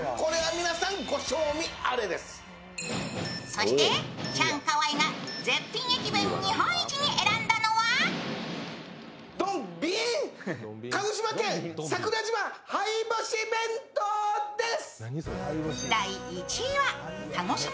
そしてチャンカワイが絶品駅弁日本一に選んだのは鹿児島県桜島灰干し弁当です！